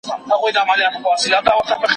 بریکونه چک کړئ.